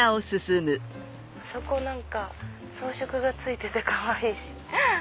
そこ何か装飾がついててかわいいし。